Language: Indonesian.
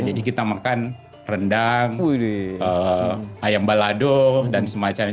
jadi kita makan rendang ayam balado dan semacamnya